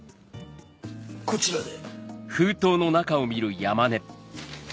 こちらで。